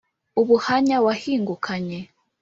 ubuhanya wahingukanye